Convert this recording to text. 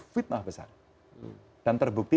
fitnah besar dan terbukti